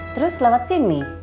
terus lewat sini